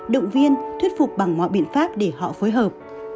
động viên thuyết phục bằng mọi biện pháp để họ phối hợp